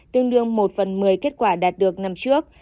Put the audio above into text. tương đương một phần một mươi kết quả đạt được năm trước